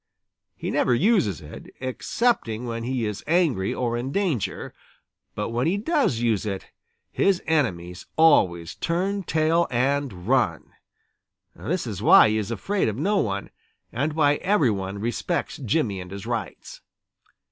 He never uses it, excepting when he is angry or in danger, but when he does use it, his enemies always turn tail and run. That is why he is afraid of no one, and why every one respects Jimmy and his rights.